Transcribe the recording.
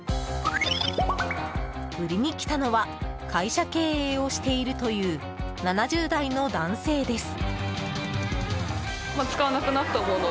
売りに来たのは会社経営をしているという７０代の男性です。